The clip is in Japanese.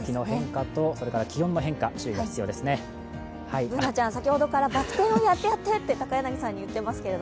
Ｂｏｏｎａちゃん、先ほどからバク転をやってやってと高柳さんに言っていますけど。